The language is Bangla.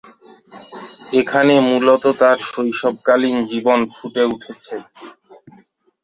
এখানে মূলত তার শৈশবকালীন জীবন ফুটে উঠেছে।